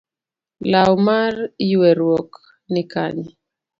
Law mar yueruok ni Kanye?